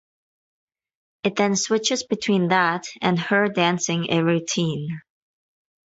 It then switches between that and her dancing a routine.